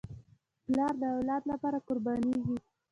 پلار د اولاد لپاره قربانېږي.